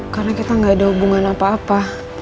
karena kita gak ada hubungan apa apa